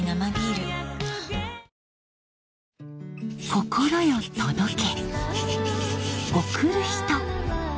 心よ届け